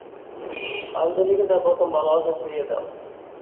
আঞ্জলিকে তার প্রথম ভালোবাসা ফিরিয়ে দাও।